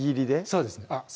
そうですねあっ